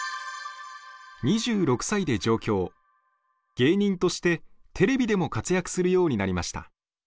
芸人としてテレビでも活躍するようになりました。